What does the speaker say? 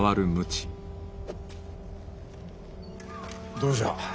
どうじゃ？